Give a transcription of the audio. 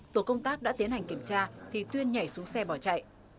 tổ công tác đã tiến hành kiểm tra thì tuyên nhảy xuống xe bỏ chạy